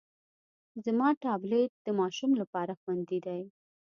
زما ټابلیټ د ماشوم لپاره خوندي دی.